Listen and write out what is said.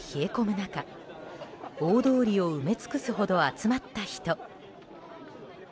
中大通りを埋め尽くすほど集まった人。